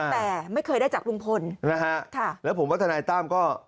แต่ไม่เคยได้จากลุงพลนะฮะค่ะแล้วผมว่าทนายตั้มก็